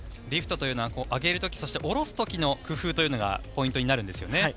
リフトというのは上げる時、そして降ろす時の工夫というのがポイントになるんですよね。